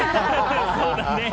そうだね。